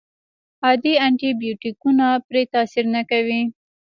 عادي انټي بیوټیکونه پرې تاثیر نه کوي.